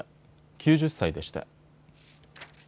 ９０歳でした。